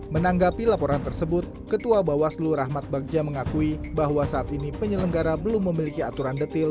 menanggapi laporan tersebut ketua bawaslu rahmat bagja mengakui bahwa saat ini penyelenggara belum memiliki aturan detil